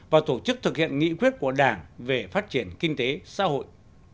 và tổ chức thực hiện nghị quyết của đảng về phát triển kinh tế xã hội